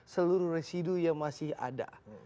seluruh residu yang masih ada